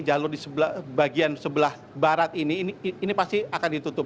jalur di bagian sebelah barat ini pasti akan ditutup